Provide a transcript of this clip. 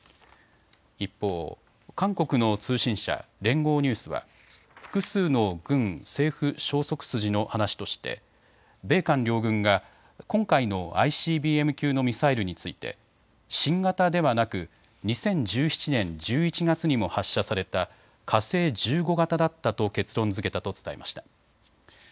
一方、韓国の通信社、連合ニュースは複数の軍、政府消息筋の話として米韓両軍が今回のＩＣＢＭ級のミサイルについて新型ではなく２０１７年１１月にも発射された火星１５型だったと結論づけたと伝えました。